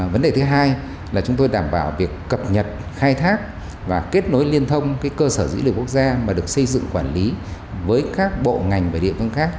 vấn đề thứ hai là chúng tôi đảm bảo việc cập nhật khai thác và kết nối liên thông cơ sở dữ liệu quốc gia mà được xây dựng quản lý với các bộ ngành và địa phương khác